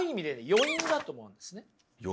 余韻だと思うんですね。